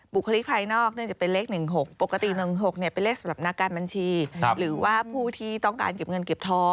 บุคลิกภายนอกเนี่ยจะเป็นเลข๑๖